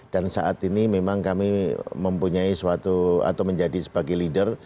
dan saat ini memang kami mempunyai suatu atau menjadi sebagai leader